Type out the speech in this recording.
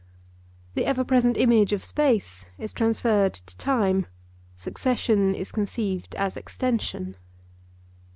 The ever present image of space is transferred to time—succession is conceived as extension.